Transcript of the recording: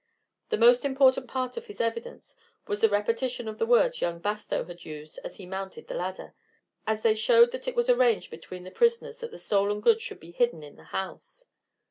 The most important part of his evidence was the repetition of the words young Bastow had used as he mounted the ladder, as they showed that it was arranged between the prisoners that the stolen goods should be hidden in the house.